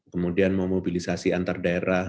kemudian memobilisasi antar daerah